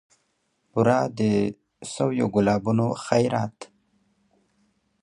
بورا د سویو ګلابونو خیرات